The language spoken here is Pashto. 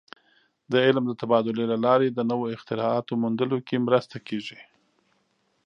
د علم د تبادلې له لارې د نوو اختراعاتو موندلو کې مرسته کېږي.